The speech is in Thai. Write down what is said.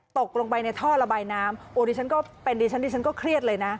ตกลงไปในท่อระบายน้ำโอ้ดิฉันก็เป็นดิฉันดิฉันก็เครียดเลยนะ